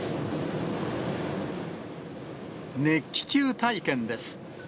熱気球体験です。